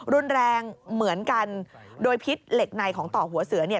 รุนแรงเหมือนกันโดยพิษเหล็กในของต่อหัวเสือเนี่ย